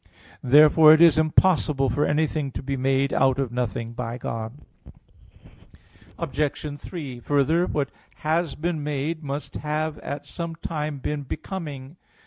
Therefore it is impossible for anything to be made out of nothing by God. Obj. 3: Further, what has been made must have at some time been becoming.